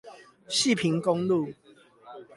汐平公路